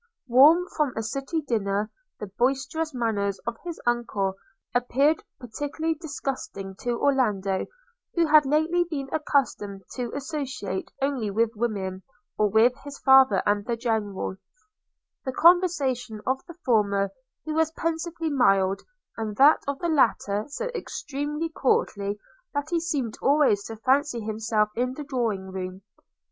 Warm from a city dinner, the boisterous manners of his uncle apeared particularly disgusting to Orlando, who had lately been accustomed to associate only with women, or with his father and the General; the conversation of the former of whom was pensively mild, and that of the latter so extremely courtly that he seemed always to fancy himself in the drawing room.